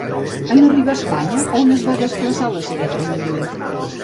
En arribar a Espanya, a on es va desplaçar la seva família?